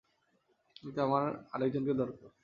কিন্তু আমার আরেকজনকে দরকার।